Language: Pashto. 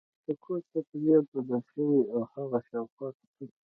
د کور چاپیریال بدل شوی و او هغه شاوخوا کتل